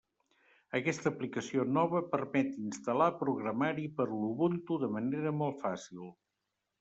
Aquesta aplicació nova permet instal·lar programari per a l'Ubuntu de manera molt fàcil.